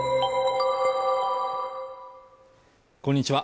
こんにちは